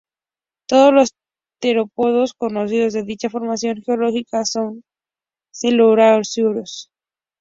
Todos los terópodos conocidos de dicha formación geológica son celurosaurios.